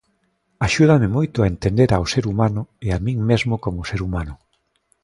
Axúdame moito a entender ao ser humano e a min mesmo como ser humano.